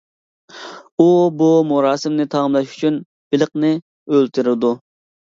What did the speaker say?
ئۇ بۇ مۇراسىمنى تاماملاش ئۈچۈن بېلىقنى ئۆلتۈرىدۇ.